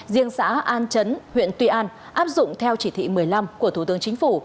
riêng xã an chấn huyện tuy an áp dụng theo chỉ thị một mươi năm của thủ tướng chính phủ